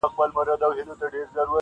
ښکلي همېش د سترګو پاس دا لړمان ساتي .